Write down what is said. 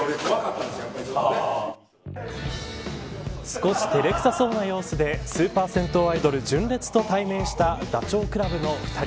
少し照れくさそうな様子でスーパー銭湯アイドル純烈と対面したダチョウ倶楽部の２人。